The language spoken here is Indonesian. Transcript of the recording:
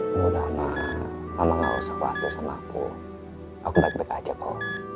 lama lama mama gak usah khawatir sama aku aku baik baik aja po